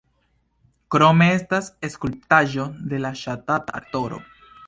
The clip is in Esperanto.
Krome estas skulptaĵo de la ŝatata aktoro.